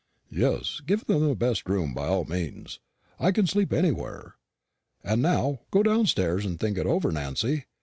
"Yes; give them the best room, by all means. I can sleep anywhere. And now go downstairs and think it over, Nancy.